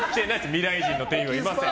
未来人の店員はいません。